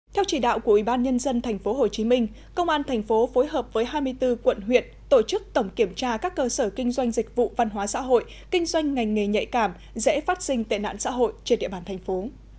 theo chỉ đạo của ủy ban nhân dân tp hcm công an tp hcm phối hợp với hai mươi bốn quận huyện tổ chức tổng kiểm tra các cơ sở kinh doanh dịch vụ văn hóa xã hội kinh doanh ngành nghề nhạy cảm dễ phát sinh tệ nạn xã hội trên địa bàn thành phố